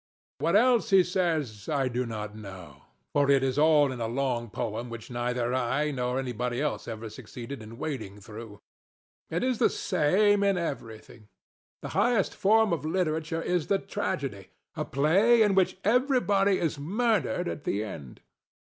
What else he says I do not know; for it is all in a long poem which neither I nor anyone else ever succeeded in wading through. It is the same in everything. The highest form of literature is the tragedy, a play in which everybody is murdered at the end.